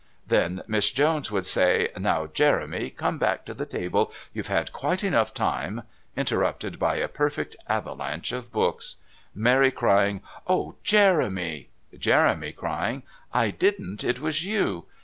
Then Miss Jones would say: "Now, Jeremy, come back to the table. You've had quite enough time " interrupted by a perfect avalanche of books. Mary crying: "Oh, Jeremy!" Jeremy crying: "I didn't; it was you!"